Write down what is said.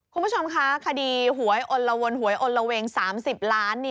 คุณผู้ชมคะคดีหวยอลละวนหวยอลละเวง๓๐ล้าน